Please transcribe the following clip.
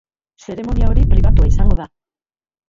Zeremonia hori pribatua izango da.